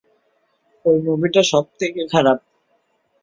ওই মুভিটা সবথেকে খারাপ!